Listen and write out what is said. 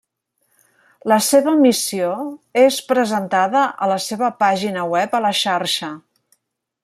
La seva missió és presentada a la seva pàgina web a la xarxa.